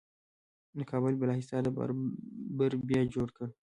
د کابل بالا حصار د بابر بیا جوړ کړ